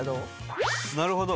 なるほど。